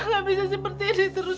nggak bisa seperti ini terus